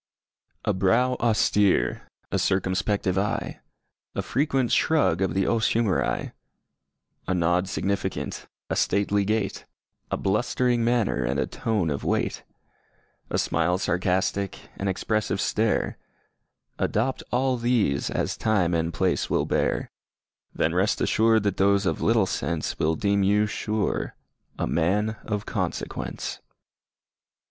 A BROW austere, a circumspective eye, A frequent shrug of the os humeri, A nod significant, a stately gait, A blustering manner, and a tone of weight, A smile sarcastic, an expressive stare, Adopt all these, as time and place will bear: Then rest assured that those of little sense Will deem you, sure, a man of consequence.